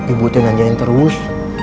ibu teh nanyain terus